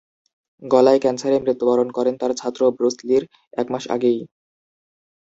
গলার ক্যান্সারে মৃত্যুবরণ করেন তার ছাত্র ব্রুস লির এক মাস আগেই।